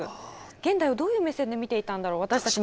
現代をどういう目線で見ていたんだろう私たち